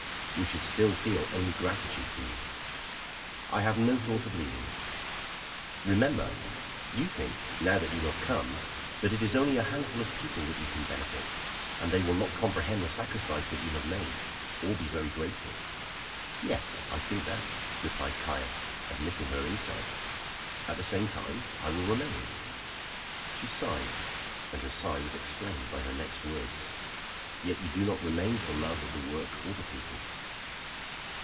We should still feel only gratitude to you." "I have no thought of leaving." "Remember, you think now that you have come that it is only a handful of people that you can benefit, and they will not comprehend the sacrifice that you have made, or be very grateful." "Yes, I think that," replied Caius, admitting her insight. "At the same time, I will remain." She sighed, and her sigh was explained by her next words: "Yet you do not remain for love of the work or the people."